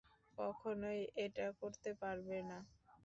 কখনোই এটা করতে পারবে না।